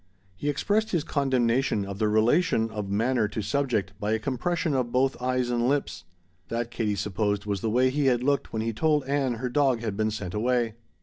He expressed his condemnation of the relation of manner to subject by a compression of both eyes and lips. That, Katie supposed, was the way he had looked when he told Ann her dog had been sent away.